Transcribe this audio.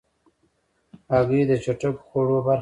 هګۍ د چټکو خوړو برخه ده.